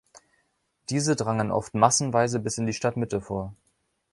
Diese drangen oft massenweise bis in die Stadtmitte vor.